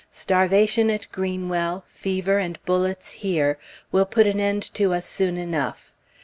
Starvation at Greenwell, fever and bullets here, will put an end to us soon enough.